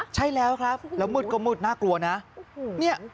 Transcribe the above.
ใช่แล้วครับแล้วมืดก็มืดน่ากลัวนะ